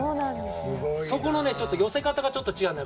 そこの寄せ方が違うの。